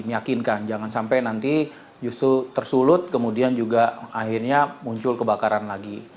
meyakinkan jangan sampai nanti justru tersulut kemudian juga akhirnya muncul kebakaran lagi